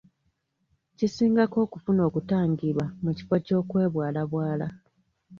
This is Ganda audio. Kisingako okufuna okutangirwa mu kifo ky'okwebwalabwala.